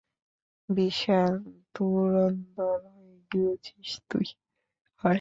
বিশাল ধুরন্ধর হয়ে গিয়েছিস, হাহ?